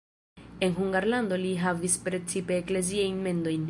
En Hungarlando li havis precipe ekleziajn mendojn.